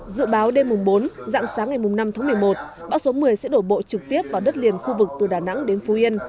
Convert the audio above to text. dự báo đêm mùng bốn dạng sáng ngày năm tháng một mươi một bão số một mươi sẽ đổ bộ trực tiếp vào đất liền khu vực từ đà nẵng đến phú yên